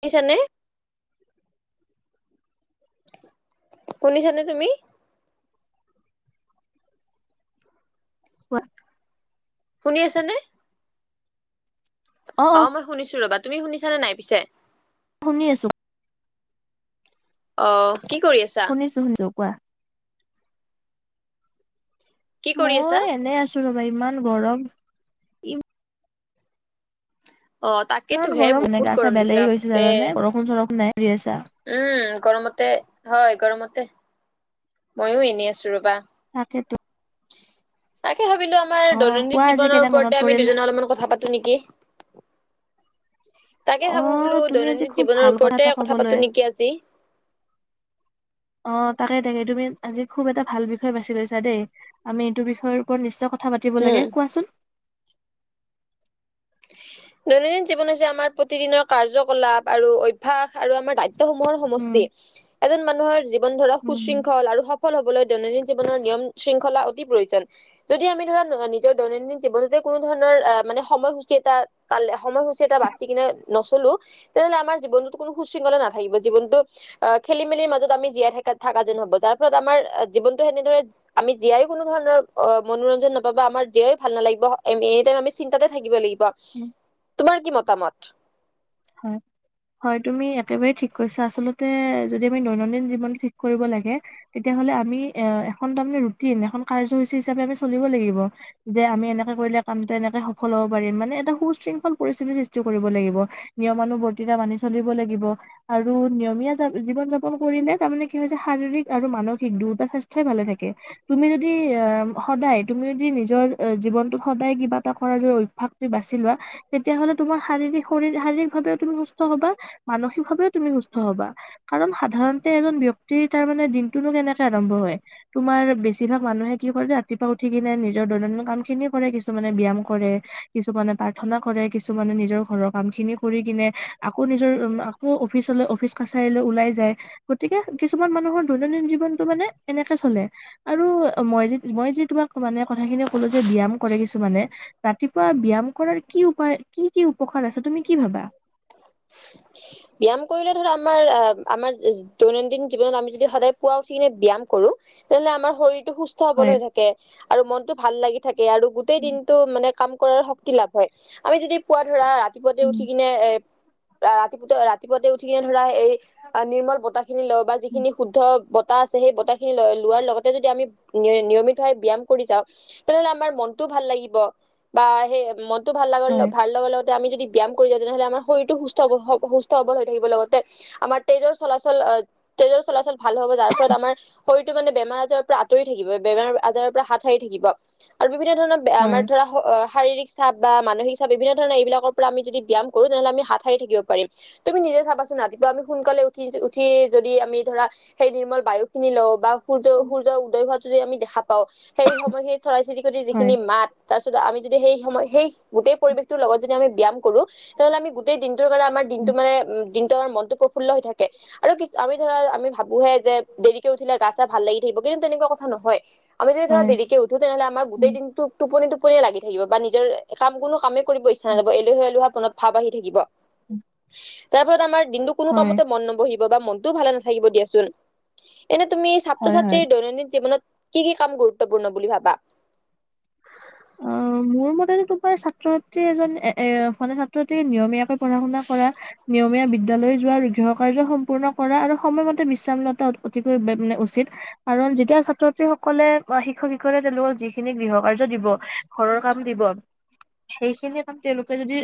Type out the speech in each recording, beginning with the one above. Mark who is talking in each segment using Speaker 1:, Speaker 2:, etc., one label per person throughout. Speaker 1: শুনিছানে। শুনিছানে তুমি।
Speaker 2: কোৱা।
Speaker 1: শুনি আছানে? অ মই শুনিছো ৰবা তুমি শুনিছানে নাই পিছে।
Speaker 2: শুনি আছোঁ।
Speaker 1: অ কি কৰি আছা
Speaker 2: শুনিছো, শুনিছো কোৱা।
Speaker 1: কি কৰি আছা
Speaker 2: মই এনে আছো ৰাবা ইমান গৰম ই।
Speaker 1: অ
Speaker 2: ইমান
Speaker 1: তাকেতোহে
Speaker 2: গৰম, এনে
Speaker 1: বহুত
Speaker 2: গা-চা
Speaker 1: গৰম
Speaker 2: বেয়া
Speaker 1: দিছে
Speaker 2: লাগি গৈছে
Speaker 1: বাপৰে
Speaker 2: জানানে? বৰষুণ, চৰষুণ নাই। দি আছা
Speaker 1: উম, গৰমতে হয়। গৰমতে, মইও এনে আছো ৰ'বা।
Speaker 2: তাকেতো।
Speaker 1: তাকে। ভাবিলো, আমাৰ
Speaker 2: অ
Speaker 1: দৈনন্দিন
Speaker 2: কোৱা আজি
Speaker 1: জীৱনৰ
Speaker 2: কেনে মনত
Speaker 1: ওপৰতে আমি
Speaker 2: পৰিল
Speaker 1: দুজনে অলপমান কথা পাতোঁ নেকি? তাকে
Speaker 2: অ
Speaker 1: ভাবো, বোলো
Speaker 2: তুমি আজি
Speaker 1: দৈনন্দিন
Speaker 2: খুব
Speaker 1: জীৱনৰ
Speaker 2: ভাল
Speaker 1: ওপৰতে
Speaker 2: এটা
Speaker 1: কথা
Speaker 2: কবলৈ
Speaker 1: পাতোঁ নেকি আজি?
Speaker 2: অ', তাকেই, তাকেই। তুমি আজি খুব এটা ভাল বিষয় বাচি লৈছা। আমি এইটো বিষয়ৰ ওপৰত নিশ্চয়। কথা পাতিব
Speaker 1: উম
Speaker 2: লাগে, কোৱাচোন?
Speaker 1: দৈনন্দিন জীৱন হৈছে আমাৰ প্ৰতিদিনৰ কাৰ্যকলাপ, আৰু অভ্যাস আৰু আমাৰ দায়িত্ব। সমহৰ
Speaker 2: উম
Speaker 1: সমষ্টি এজন মানুহৰ জীৱন ধৰা
Speaker 2: উম
Speaker 1: সুশৃংখল আৰু সফল হ'ব। দৈনন্দিন জীৱনৰ নিয়ম শৃংখলা অতি প্ৰয়োজন যদি আমি ধৰা নিজৰ দৈনন্দিন জীৱনতে কোনো ধৰণ [unintelligible] টাাল সময়সূচী এটা বাচি কিনে নচলো তেনেহ'লে আমাৰ জীৱনত কোনো সুশৃংখলা নাথাকিব [unintelligible] জ খেলি মেলি মত আ জাই থ থকা যেন হব যাৰ ফলত আমাৰ জৱনতটোনে [unintelligible] আমি জীয়াই কোন ধৰণৰ মনোৰঞ্জন নাপাবা আমাৰ জীয়াই ভাল নালাগিবম এনি টাইম আমি চিন্তাতে থাকিব লাগিব।
Speaker 2: উম
Speaker 1: তোমাৰ কি মতামত,
Speaker 2: হ হয় তুমি একেবাৰেই ঠিক কৈছা আচলতে যদি আমি দৈনন্দিন জীৱনতটো ঠিক কৰিব লাগে তেতিয়া, আমি কাৰিচাপ আ চলিব ল [unintelligible] কামটো এনেকে সফল হব পাৰিম মানে এটা সুশৃংখল পৰিস্থিতি সৃষ্টি কৰিব লাগিব নিয়মানু বৰ্তিতা মানি চলিব লাগিব আৰু নিয়মীয়া জীৱন যাপন কৰিলে তাৰমানে কি হৈছে। শক আৰু মানসিক দুয়টা স্বাস্থ্যই ভালে থাকে তুমি যদি আহ সদায় তুমি য নি [unintelligible] নি জীৱনতটো সদায় কিবা এটা কৰ যদি অভ্য়াস বাচি লোৱা তেতিয়া হ'লে তোমাৰ শাৰীৰিক শ শৰি [unintelligible] তুমি সুস্থ হবা মানসিকভাৱেও তুমি সুস্থ হবা কাৰণ সাধাৰণতে এজন ব্যক্তিৰ তাৰ মানে দিনটোনো কেনেকে আৰম্ভ হয় তোমাৰ বেছি ভাগ মানুহে কি কৰে ৰাতিপুৱা উঠি কিনে নিজৰ দৈনন্দিন কাম খিনি কৰে কিছুমানে ব্যায়াম কৰে কিছুমানে প্ৰাৰ্থনা কৰে কিছুমানে নিজৰ ঘৰৰ কাম খিনি কৰি কিনে আকৌ নিজৰ আকৌ অফিচলৈ অফিচ কাছাৰীলৈ ওলাই যায় গতিকে কিছুমান মান মানুহৰ দৈনন্দিন জীৱনতটো মানে এনেকে চলে আৰু মই মই যি তোমাক মানে কথাখিনি, কলো যে ব্যায়াম কৰে কিছুমানে ৰাতিপুৱা ব্যায়াম কৰাৰ কি উপায় কি কি উপকাৰ আছে তুমি কি ভাবা
Speaker 1: ব্যায়াম কৰিলে। আমাৰ আমাৰ দৈনন্দিন জীৱনত আমি যদি সদায় পুৱা উঠি কিনে ব্যয়াম কৰো তেনেহ'লে আমাৰ শৰ সুস্থ সবল
Speaker 2: হয়
Speaker 1: হৈ থাকে আৰু মনতটো ভাল লাগি থাকে আৰু গোটেই
Speaker 2: উম
Speaker 1: দিনতটো মানে ক কৰাৰ শক্তি লাভ হয় আমি যদি পুৱা ধৰা ৰাতিপুৱা
Speaker 2: উম
Speaker 1: এ ৰাতিপ ৰাতিপুৱতে উঠি কিনে ধৰা, এই নিৰ্মল বতাহ খিনি লও বা
Speaker 2: হয়,
Speaker 1: যিখিনি শুদ্ধ বতাহ আছে সেই খিনি লোৱাৰ লগতে যদি আমি নিয়মিত হৈাৱ ব্যয়ায়াম কৰি যাওঁ তেনেহ'লে আমাৰ মনতটো ভাল লাগিব [unintelligible] বা সেই ম ভাল
Speaker 2: হয়,
Speaker 1: লাগাৰ-ভাল লগতে আমি যদি ব্যায়াম কৰি যাওঁ, তেনেহ'লে আমাৰ শৰীৰটো সুস্থ-সুস্থ সবল হৈ [unintelligible] লগতে আমাৰ তেজৰ চলাচল আ, তেজৰ চলাচল ভাল হ'ব যাৰফলত আমাৰ শৰীৰটো মানে বে বেমাৰ আজাৰৰ পৰা আঁতৰি থাকিব, বেমাৰ আজাৰৰ পৰা হাত সাৰি থাকিব আৰু বিভিন্ন ধৰণৰ
Speaker 2: হয়,
Speaker 1: আমাৰ ধৰা অ', শাৰীৰিক চাপ বা মানসিক চাপ বিভিন্ন ধৰণৰ এইবিলাকৰ পৰা আমি যদি ব্যায়াম কৰোঁ তেনেহ'লে আমি হাত সাৰি থাকিব পাৰিম, তুমি নিজে চাবাচোন, ৰাতিপুৱা আমি সোনকালে উঠি, উঠি যদি আমি ধৰা সেই নিৰ্মল বায়ুখিনি লওঁ বা সূৰ্য, সূৰ্য উদয় হোৱাটো যদি আমি দেখা পাওঁ, সেই সময়খিনিত চৰাই চিৰিকটিৰ
Speaker 2: হয়,
Speaker 1: যিখিনি মাত, তাৰপিছত আমি যদি সেই সময় সেই গোটেই পৰিৱেশটোৰ লগত যদি আমি ব্যায়াম কৰোঁ তেনেহ'লে আমি গোটেই দিনটোৰ কাৰণে আমাৰ দিনটো মানে, দিনটো আমাৰ মনটো ফুল্ল হৈ থাকে, আৰু কিছ-আমি ধৰা আমি ভাবোহে যে, দেৰিকে উঠিলে গা, চা ভাল লাগি থাকিব, কিন্তু তেনেকুৱা কথা ন আমি যদি ধৰা
Speaker 2: হয়,
Speaker 1: দেৰিকে উঠো তেনেহ'লে আমাৰ গোটেই দিনটো টোপনি, টোপনি লাগি থাকিব বা নিজৰ কাম কোনো কামেই কৰিব ইচ্ছা নাযাব, এলেহুৱা, এলেহুৱা ভাব আহি থাকিব, যাৰ ফলত আমাৰ দিনটো কোনো কামতে মন নবহিব বা মন ভালে নাথাকিব দিয়াচোন, এনে তুমি ছাত্ৰ,
Speaker 2: হয়, হয়।
Speaker 1: ছাত্ৰীৰ দৈনন্দিন জীৱনত কি, কি কাম গুৰুত্বপূৰ্ণ বুলি ভাবা?
Speaker 2: অ', মোৰ মতেটো তোমাৰ ছাত্ৰ, ছাত্ৰীৰ এজন এ-এ [unintelligible] ছাত্ৰ ছাত্ৰী নিয়মীয়াকৈ পঢ়া শুনা কৰা, নিয়মীয়া বি বিদ্যালয় যোৱা, আৰু গৃহকাৰ্য সম্পূৰ্ণ কৰা, আৰু সময়মতে বিশ্ৰামলতা অ', অতিকৈ উচিত আৰু কাৰণ যেতিয়া ছাত্ৰ, ছাত্ৰী সকলে আ, শিক্ষক শিক্ষয় তেওঁলোকক যিখিনি গৃহকাৰ্য দিব ঘৰৰ কাম দিব। সেইখিনিয়ে কাম তেওঁলোকে যদি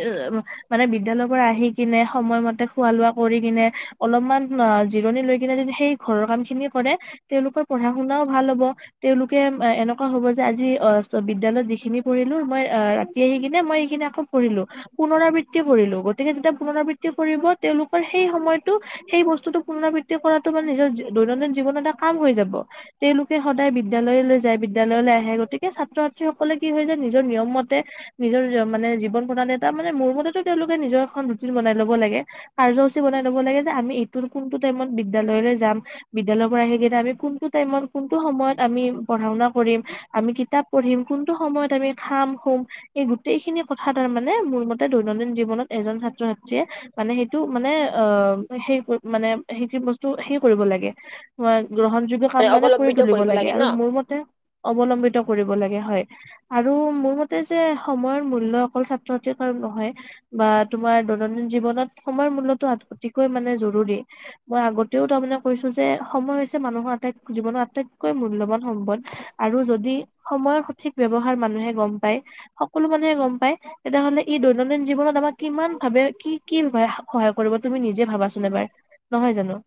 Speaker 2: মানে বিদ্যালয় পৰা আহি কিনে সময়মতে খোৱা, লোৱা কৰি কিনে অলপমান অ', জিৰণিলৈ কিনে যদি সেই ঘৰৰ কামখিনি কৰে, তেওঁলোকৰ পঢ়া শুনাও ভাল হ [unintelligible] তেওঁলোকে এনেকুৱা হ'ব যে আজি অ বিদ্যালয়ত যিখিনি কৰিলো মই ৰাতি আহি কিনে মই স কিনে আকৌ পঢ়লো পুনৰাবৃত্তি কৰিলো গতিকে যেতিয়া পুনৰাবৃত্তি কৰিব তেওঁলোকৰ সেই সময়তো সেই বস্তুতটো পুনৰাবৃত্তি কৰাটো বাান নিজৰ দৈনন্দিন জীৱন এটা কাম হৈ যাব তেওঁলোকে সদায় বিদ্যালয়লৈ যায় বিদ্যালয়লে আহে গতিকে ছাত্ৰ ছাত্ৰীসকল লে কি হয় যে নিজৰ নিয়ম মতে নিজৰ মানে জীৱন প্ৰণালী এটা মানে মোৰ মতেতো তেওঁলোকে নিজৰ এ ৰুটিন বনাই ল'ব লাগে, কাৰ্যসূচী বনাই লব লাগে যে আমি এইটো কোনটো টাইমত বিদ্যালয়লৈ যাম বিদ্য়ালয়ৰ পৰা আহি কিইটা আমি কোনটো টাইমত কোনটো সময়ত আমি পঢ়া শুনা কৰিম আমি কিতাপ পঢ়িম কোনটো সময়ত আমি খাম শুম এই গোটেই খিনি কথা তাৰ মানে মোৰ মতে দৈনন্দিন জীৱনত এজন ছাত্ৰ ছাত্ৰীয়ে মানে সেইটো মানে অ', সেই মানে সেইটো বস্তু সে কৰিব লাগে হয়, গ্ৰহণ যোগ্য কাম মানে কৰি
Speaker 1: অৱলম্বিত
Speaker 2: তুলিব
Speaker 1: কৰিব
Speaker 2: লাগে
Speaker 1: ন
Speaker 2: আৰু মোৰ মতে অৱলম্বিত কৰিব লাগে। হয়। আৰু মোৰ মতে যে সময়ৰ মূল্য অকল ছাত্ৰ ছাত্ৰ কাৰন নহয় বা তোমাৰ দৈনন্দিন জীৱনত সময়ৰ মূলয়তটো অতিকৈ মানে জৰুৰী, মই আগতেও তাৰমানে কৈছো যে সময় হৈছে মানুহৰ আটাই জীৱনৰ আটাইতকৈ মূল্যবান সম্পদ আৰু যদি সময়ৰ সঠিক ব্যৱহাৰ মানুহে গম পায় সকলো মানুহে গম পায় তেতিয়াহ'লে ই দৈনন্দিন জীৱনত আমাক কিমান ভাবে কি কি সহায় কৰিব তুমি নিজে ভাবাচোন এবাৰ নহয় জানো।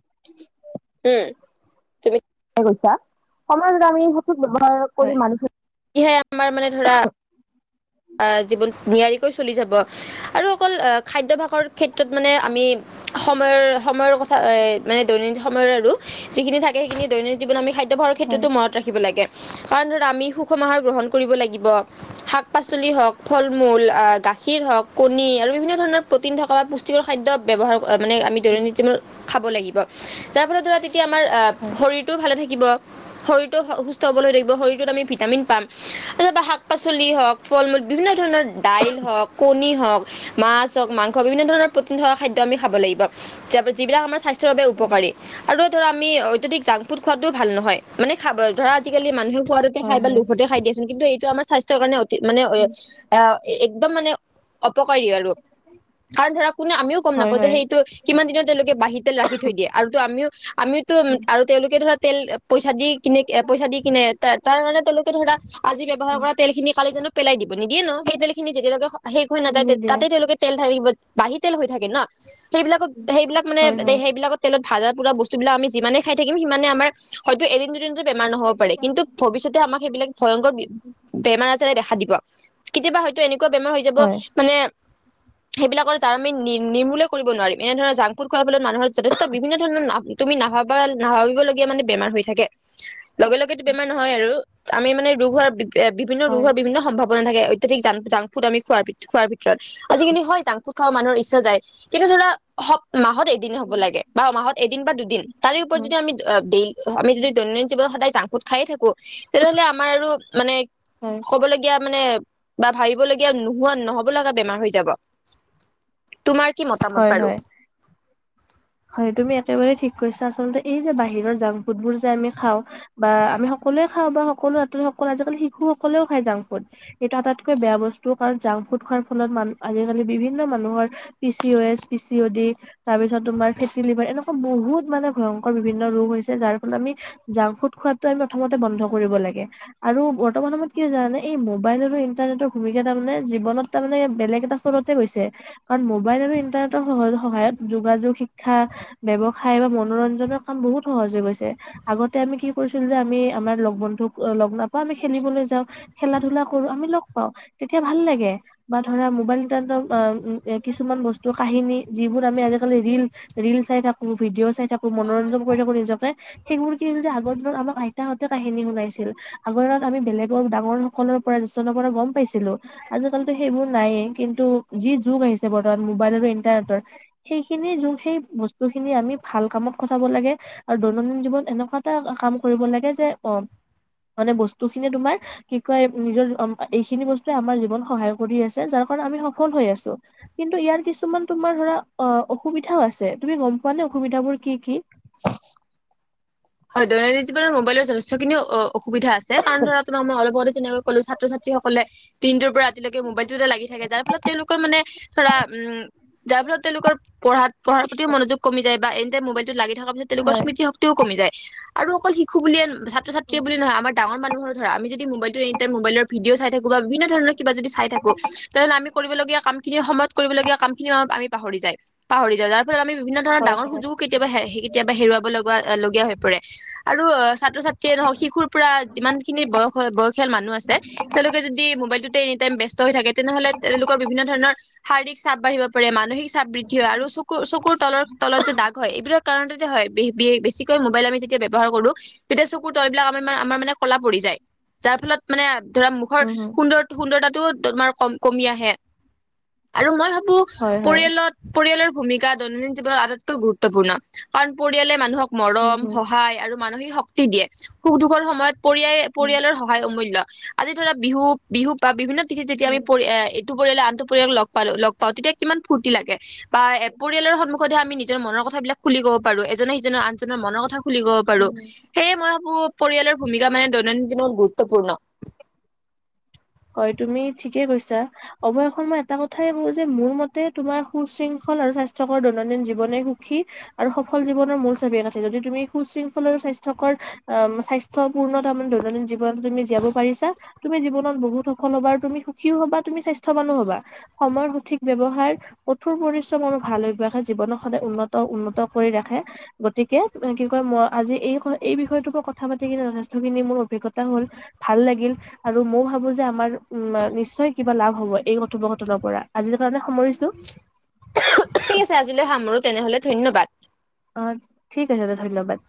Speaker 1: উ তুমি কৈছা সমাজ আমি সঠিক ব্যৱহাৰ
Speaker 2: হয়
Speaker 1: কৰি মানুহ ইহে আমাৰ মানে ধৰা আ জীৱন নিয়াৰিকৈ চলি যাব আৰু অকল আ খাদ্যভাস শষ ক্ষেত্ৰত মানে আমি সময়ৰ সময়ৰ কথা মানে দৈনন্দিন সময়ৰ আৰু যিখিনি থাকে সেইখিন দৈনিন জীৱনৰ খাদ্যৰ
Speaker 2: হয়
Speaker 1: ক্ষেত্ৰতো মন ৰাখিবাগে কাৰণ ধৰা আমি সুষম আহাৰ গ্ৰহণ কৰিব লাগিব শাক শাক পাচলি হওঁক ফল মূল গাখীৰ হওঁক কণী আৰু বিভিন্ন ধৰণৰ প্ৰটিন থকা বা পুষ্টিকৰ খাদ্য ব্যৱহাৰ কৰিব মানে আমি
Speaker 2: উম,
Speaker 1: দৈনন্দী মূল খাব লাগিব যাৰ ফলত ধৰা তেতিয়া আমাৰ
Speaker 2: হয়
Speaker 1: শৰীৰটোও ভালে থাকিব শৰীৰতটো সুস্থ হবলৈ থাকিব শৰীৰটোত আমি ভিটামিন পাম তাৰ শাক পাচলি হওঁক ফল মূল বিভিন্ন ধৰণৰ দাইল হওঁক কণী হওঁক, মাছ হওঁক, মাংস বিভিন্ন ধৰণৰ প্ৰটিন থকা খাদ খাব লাগিব যিবিলাক আমাৰ স্বাস্থ্যৰ বাবে
Speaker 2: হয়
Speaker 1: উপকাৰী আৰু ধৰা আমি অত্যাধিক জাংক ফুড খোৱাটোও ভাল নহয় মানে খাব ধৰা আজিকালি মানুহ সোৱাদতে
Speaker 2: হয়
Speaker 1: খাই বা
Speaker 2: হয়
Speaker 1: লোভতে খাই দিয়াচোন কিন্তু এইটো আমাৰ স্বাস্থ্যৰ কাৰণে অতি মানে
Speaker 2: উম,
Speaker 1: এ একদম মানে উপকাৰী আৰু কাৰণ ধৰা কোনে আমিও গম
Speaker 2: হয়
Speaker 1: নাপাওঁ যে
Speaker 2: হয়
Speaker 1: সেইটো কিমান দিনৰত তেওঁলোকে বাহিৰতেল ৰাখি থৈ দিয়ে আৰু আমিও আমিও উম আৰু তেওঁলোকে ধৰা তেল পইচা দি কিনে পইচা দি কিনে তাৰ কাৰণে তেওঁলোকে ধৰা ব্যৱহাৰ
Speaker 2: উম
Speaker 1: কৰা তেলখিনি পেলাই দিব নিদিয়ে ন সেইয়ে খিনি তেতিয়ালে শেষ হৈ
Speaker 2: উম,
Speaker 1: নাযায়
Speaker 2: নিদিয়ে
Speaker 1: তাতে তেওঁলোকে তেল থাকিব বাহি তেল হৈ থাকে ন সেইবিলাকত সেইবিলাক ক মানে
Speaker 2: হয় হয়
Speaker 1: সেইবিলাকত তেলত ভজা পুৰা বস্তুবিলাক আি যিে খাই থাকিম সিমানে আমাৰ হয় এদিন [unintelligible] বেমাৰ নহ'ব পাৰে, কিন্তু ভৱিষ্যতে আমাক সেইবিলাক ভয়ংকৰ বেমাৰ আ দেখা দিব কেতিয়াবা হয়তো এনেকুৱা বেমাৰ হৈ যাব
Speaker 2: হয়
Speaker 1: মানে সেইবিলাকৰ তাৰ আমি নি নিৰ্মূলে কৰিব নোৱাৰিম এনেধৰণৰ জাংফুড খোৱা [unintelligible] মানুহৰ যথেষ্ট বিভিন্ন ধৰণৰ তুমি নাভাবা নাভাবিবলগীয়া মানে বেমাৰ হৈ থাকে। লগে লগেতো বেমাৰ নহয় আৰু আমি মানে ৰোগ হোৱাৰ বিভিন্ন ৰোগ
Speaker 2: হয়
Speaker 1: হোৱাৰ বিভিন্ন সম্ভাৱনা থাকে অত্যাধিক জাংকফুড আমি খোৱাৰ ভিতৰত আজিকিনি হয় জাং ফুড মানুহৰ ইচ্ছা যায় কিন্তু ধৰা মাহত এদিনে হ'ব লাগে বা মাহত এদিন বা দুদিন তাৰে ওপৰত যদি আমি দেই আমি যদি দৈনন্দিন জীৱনত সদায় জাংক ফুড খাইয়ে থাকো তেনেহ'লে আমাৰ আৰু মানে ক'বলগীয়া মানে বা ভাবিবলগীয়া নোহোৱা নহ'ব লগা বেমাৰ হৈ যাব তোমাৰ কি মতামত
Speaker 2: হয়
Speaker 1: বাৰু।
Speaker 2: হয় হয় তুমি একেবাৰে ঠিক কৈছা আচলতে এই যে বাহিৰৰ জাং ফুডবোৰ যে আমি খাওঁ বা আমি সকলোৱে খাওঁ বা সকলো [unintelligible] সকলো আজালি শিশুসকলেও খায় জাংক ফুড, এইটো আটাইতকৈ বেয়া বস্তু কাৰণ জাং ফুত খোৱাৰ ফলত মান আজিকালি বিভিন্ন মানুহৰ P C O S পিচিও D তাৰ পিছত, তোমাৰ ফেটি লিভাৰ এনেকুৱা বহুত মানে ভয়ংকৰ বিভিন্ন ৰোগ হৈছে। যাৰ ফলত আমি জাংক ফুড খোৱাতো আমি প্ৰথমতে বন্ধ কৰিব লাগে। আৰু বৰ্তমান সময়ত কি জানে এই মোবাইল আৰু ইন্টাৰনেটৰ ভুমিকা তাৰানে জীৱনত তাৰামানে বেলেগ। বেলেগ এটাতে চলতে গৈছে। কাৰণ মোবাইল আৰু ইন্টাৰনেটৰহ যোগা যোগ। শিক্ষা ব্যৱসায় বা মনোৰঞ্জনৰ কাম বহুত সহজ হৈ গৈছে। আগতে আমি কি কৰিছিলো যে আমি। আমাৰ লগ বন্ধুক লগ নাপাওঁ আমি খেলিবলৈ যাওঁ খেলা ধলা কৰো আমি লগ পাওঁ তেতিয়া ভাল লাগে। বা ধৰা মবাইল নিতান্ত কিছুমান বস্তু কাহিনী যিবোৰ আমি আজিকালি ৰিল। ৰিল চাই থাকো, ভিডিঅ' চাই থাকো, মনোৰঞ্জন কৰি থাকো নিজকে সেইবোৰ কিল যে আগৰ সেই বোৰ দিনত আমাক আইতাহঁতে কাহিনী শুনাইছিল। আগ আমি বেলেগৰ ডাঙৰ সকলৰ পৰা যনৰ পৰা গম পাইছিলো আজিকাল। সেইবোৰ নায়য়েই কিন্তু যি যুগ আহিছে বৰ্তমান মোবাইল আৰু ইণ্টাৰনেটৰ সেইখিনি যুগ সেই বস্তু খিনি আমি ভাল কামত সটাব লাগে আৰু দৈনন্দিন জীৱন এনেকুৱা এটা কাম কৰিব লাগে যে। অ মানে বস্তু খিনি তোমাৰ কি কয় নিজৰ এইখিনি বস্তুৱে আমাৰ জীৱন সহায় কৰি আছে যাৰ। আমি সফল হৈ আছো। কিন্তু ইয়াৰ কিছুমান তোমাৰ ধৰা অ অসুবিধাও আছে। তুমি গম পোৱা নে অসুবিধাবোৰ কি কি।
Speaker 1: হয় দৈনন্দিন জীৱনত মোবাইলৰ যথেষ্টখিনি অসুবিধা আছে। কাৰণ ধৰা তোমাৰ মই অলপ আগতে যেনেকৈ ক'লো ছাত্ৰ ছাত্ৰী সকলে দিনটোৰ পৰা। [unintelligible] মোবাইল টোতে লাগি থাকে যাৰ ফলত তেওঁলোকৰ মানে ধৰা উম যাৰ ফলত তেওঁলোকৰ পঢ়াত পঢ়া প্ৰতি মনোযোগ কি যায়। বা এনে মবাইলটো লাগি থকাৰ প্ৰতি তেওঁলৰ
Speaker 2: হয়
Speaker 1: স্মৃতি শক্তিও কমি যায়। আৰু অকল শিশু বুলিয়ে। ছাত্ৰ ছাতীয়ে বুলি নহয় আমাৰো ধৰা মানুহৰ ধৰা আম য মোবাইলটো এনিাই মোবলৰ ভিদিঅ'চাই থাকো বা বিভিন্ন ধৰণ কিবা য [unintelligible] কৰিব লগীয়া কাম খিনি সময়ত কৰিবলগীয়া পাহৰি যায় পাহৰি যায় যাৰ ফলত আমি বিভিন্ন ধৰণৰ
Speaker 2: হয়
Speaker 1: ডাঙৰ
Speaker 2: হয়।
Speaker 1: সুযোগ কেতিয়াবা হেৰুৱা কেতিয়াবা হেৱাব লগা লগীয়া হয় কৰে আৰু ছাত্ৰ ছাত্ৰীয়ে নহওক শিশুৰ পৰা যিমান খিনি বয়স বয়সাল মানুহ আছে। তেওঁলোকে যদি মোবাইলতটোত এটাইম ব্যস্ত হৈ থাকে। তেনেহ'লে তেওঁলোকৰ বিভিন্ন ধৰণৰ শাৰীৰিক চাপ বাঢ়িব পাৰে মানসিক। চাপ বৃদ্ধি হয় আৰু চকুৰ চকুৰ তলৰ তলত যে দাগ হয় এইবোৰৰ কাৰণতে হয় বেছিকৈ। ম'বাইল আমি যেতিয়া ব্ৱহাৰ কৰো। তেতিয়া চকুৰ তল বিলাক আ আমাৰ মানে কলা পৰি যায় যাৰ ফলত মানে। ধৰা মুখৰ
Speaker 2: উম হম
Speaker 1: সুন্দৰ সুন্দৰৰতা ও তোমাৰ কম কমি আহে আৰু মই।
Speaker 2: হয় হয়
Speaker 1: পৰিয়ালত পৰিয়ালৰ। ভূমিকা দৈনন্দিন জীৱনত আটাইতকৈ গুৰুত্বপূৰ্ণ। কাৰণ পৰিয়ালে মানুহক
Speaker 2: উম
Speaker 1: মৰম
Speaker 2: হম
Speaker 1: সহায় আৰু। মানসিক শক্তি দিয়ে। সুখ দুখৰ সময়ত পৰিয়
Speaker 2: উম
Speaker 1: পৰিয়ালৰ সহায় অমূল্য়। আজি ধৰা বিহু বিহু বা বিভিন্ন তিথিত যেতি আমি
Speaker 2: উম
Speaker 1: পৰি এইটো পৰিলে আন। পৰিয়াল লগ পালো লগ পাওঁ। তেতিয়া কিমান ফুৰ্তি লাগে বা পৰিয়ালৰ সন্মুখত। সদায় আমি নিজৰ মনৰ কথা বিলাক খুলি ক'ব পাৰো এজনে সিজনক আনজনৰ মনৰ কথা। খুলিবব পাৰো
Speaker 2: উম
Speaker 1: সেয়ে মই ভাবো। পৰিয়ালৰ ভূমিকা মানে দৈনন্দিন জীনৰত গুৰুত্বপূৰ্ণ।
Speaker 2: হয় তুমি ঠিকে কৈছা। অৱশেষত মই এটা কথাই কওঁ যে মোৰ মতে তোমাৰ সুশৃংখল আৰু স্বাস্থ্যকৰ দৈনন্দিন জীৱনে সুী আৰু সফল জীৱনৰ মূল চিয়ে আঠে যদি তুমি সুশৃংখল আৰু স্বাস্থ্য। স্বাস্থ্য পূৰ্ণতাৰ মানে দৈনন্দিন জীৱনত তুমি জীয়াব পাৰিছা। তুমি জীৱনত বহুত। সল হবা আৰু তুমি সুখীও হ'বা তুমি স্বাস্থ্যৱানো হব সময় সঠিক ব্যৱহাৰ কঠোৰ পৰিশ্ৰমৰ ভাল অবাসে জীৱন সদায় উন্নত উন্নত কৰি ৰাখে। গতিকে কি কয় মই আজি এই এই বিষয়টোৰ পৰা কথা পাতি কিনে যথেষ্টখিনি মোৰ অভিজ্ঞতা হ'ল, ভাল লাগিল, আৰু ময়ও ভাবো যে। আমাৰ উম নিশ্চয় কিবা লাভ হ'ব। এই কথোপকথনৰ পৰা আজি কাৰণে। সামৰিছো
Speaker 1: ঠিক আছে আজিলৈ সামৰো তেনেহলে ধন্যবাদ।
Speaker 2: অ, ঠিক আছে দা ধন্যবাদ।